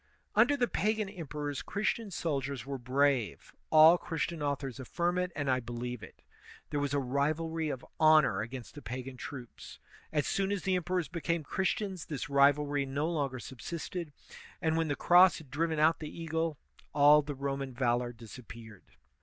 Under the pagan emperors Christian soldiers were brave; al) Christian authors affirm it, and I believe it. There was a rivalry of honor against the pagan troops. As soon as the emperors became Christians, this rivalry no longer subsisted; and when the cross had driven out the eagle, all the Roman valor disappeared.